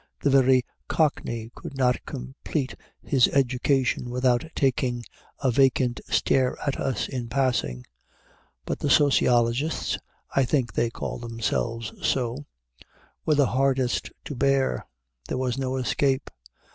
The very cockney could not complete his education without taking a vacant stare at us in passing. But the sociologists (I think they call themselves so) were the hardest to bear. There was no escape.